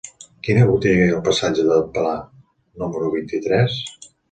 Quina botiga hi ha al passatge de Pla número vint-i-tres?